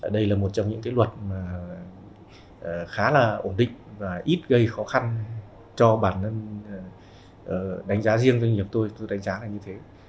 đây là một trong những luật khá là ổn định và ít gây khó khăn cho bản thân đánh giá riêng doanh nghiệp tôi tôi đánh giá là như thế